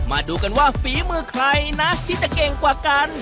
มาดูกันว่าฝีมือใครนะที่จะเก่งกว่ากัน